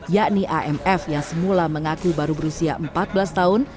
yakni amf yang semula mengaku baru berusia empat belas tahun